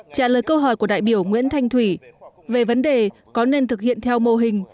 trả lời câu hỏi của đại biểu nguyễn thanh thủy về vấn đề có nên thực hiện theo mô hình